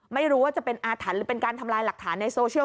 ไม่รู้ว่าจะเป็นอาถรรพ์หรือเป็นการทำลายหลักฐานในโซเชียล